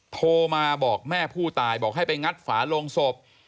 โทรมาบอกแม่ผู้ตายบอกให้ไปงัดฝาโลงศพ